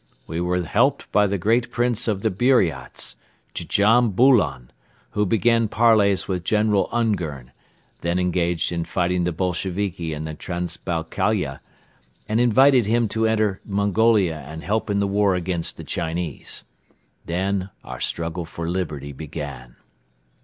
We were helped by the great Prince of the Buriats, Djam Bolon, who began parleys with General Ungern, then engaged in fighting the Bolsheviki in Transbaikalia, and invited him to enter Mongolia and help in the war against the Chinese. Then our struggle for liberty began."